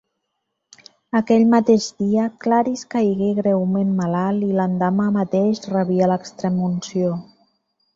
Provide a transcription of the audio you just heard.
Aquell mateix dia, Claris caigué greument malalt i l'endemà mateix rebia l'extremunció.